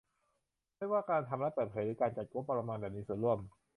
ไม่ว่าการทำ รัฐเปิดเผย หรือ การจัดการงบประมาณแบบมีส่วนร่วม